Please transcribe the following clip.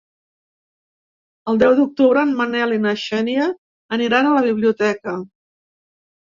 El nou d'octubre en Manel i na Xènia aniran a la biblioteca.